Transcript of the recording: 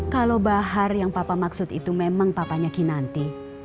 kalau bahar yang papa maksud itu memang papanya kinanti